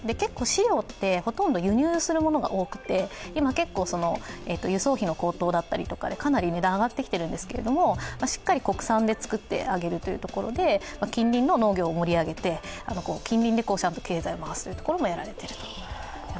飼料は輸入することが多くて輸送費の高騰だったりとかでかなり値段が上がってきているんですけど、しっかり国産で作ってあげるというところで、近隣の農業を盛り上げて、近隣でちゃんと経済を回すところもやられている。